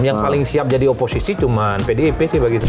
yang paling siap jadi oposisi cuma pdip sih begitu